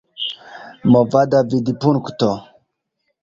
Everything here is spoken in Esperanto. Movada Vidpunkto